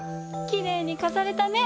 きれいにかざれたね！